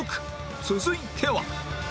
続いては